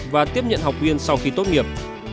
và tiếp nhận học viên sau khi tốt nghiệp